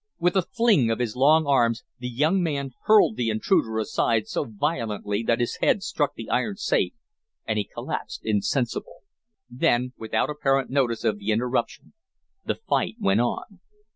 With a fling of his long arms the young man hurled the intruder aside so violently that his head struck the iron safe and he collapsed insensible. Then, without apparent notice of the interruption, the fight went on.